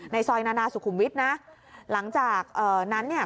ซอยนานาสุขุมวิทย์นะหลังจากเอ่อนั้นเนี่ย